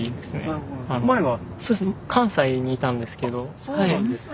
あっそうなんですか。